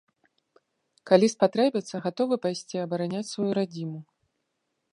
Калі спатрэбіцца, гатовы пайсці абараняць сваю радзіму.